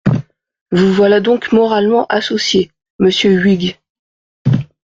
Vous voilà donc moralement associé, monsieur Huyghe.